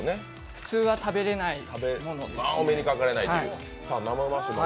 普通は食べれないものです。